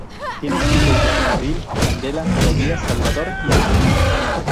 Tiene cinco hijos: Avril, Candela, Tobías, Salvador y Ángela.